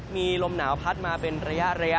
มีลมหนาวพัดมาเป็นระยะ